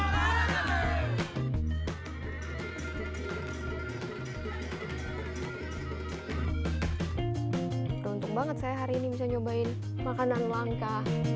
hai untuk banget saya hari ini bisa nyobain makanan langka